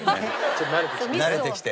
ちょっと慣れてきて。